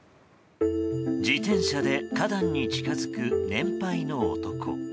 自転車で花壇に近づく年輩の男。